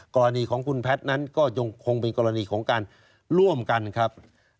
กรณีของคุณแพทย์นั้นก็ยังคงเป็นกรณีของการร่วมกันครับ